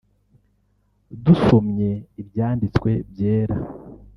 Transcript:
Dusomye ibyanditswe byera